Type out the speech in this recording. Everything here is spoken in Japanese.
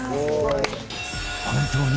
本当に